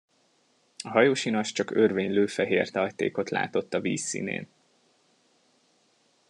A hajósinas csak örvénylő fehér tajtékot látott a víz színén.